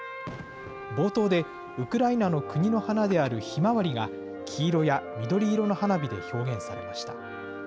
冒頭でウクライナの国の花であるひまわりが、黄色や緑色の花火で表現されました。